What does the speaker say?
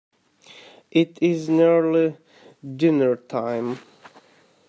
It is nearly dinner-time.